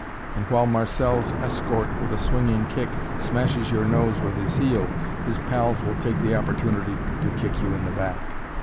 And while Marcelle's escort, with a swinging kick, smashes your nose with his heel, his pals will take the opportunity to kick you in the back.